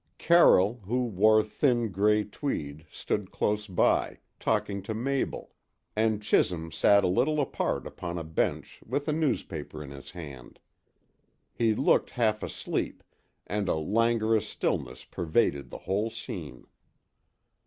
Carroll, who wore thin grey tweed, stood close by, talking to Mabel, and Chisholm sat a little apart upon a bench with a newspaper in his hand. He looked half asleep, and a languorous, stillness pervaded the whole scene.